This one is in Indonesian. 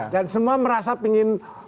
dan semua merasa pengen